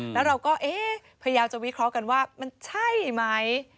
แล้วเราก็เอ๊ะพยายามจะวิเคราะห์กันว่ามันใช่ไหม